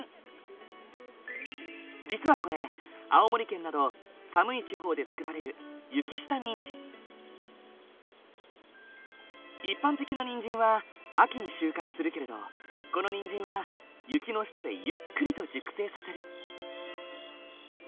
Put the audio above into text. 実はこれ青森県など寒い地方で作られる一般的なにんじんは秋に収穫するけれどこのにんじんは雪の下でゆっくりと熟成させる。